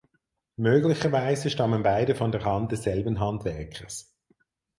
Möglicherweise stammen beide von der Hand desselben Handwerkers.